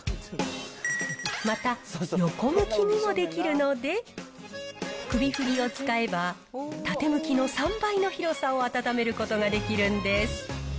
また、横向きにもできるので、首振りを使えば、縦向きの３倍の広さを温めることができるんです。